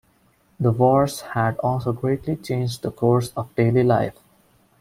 The wars had also greatly changed the course of daily life.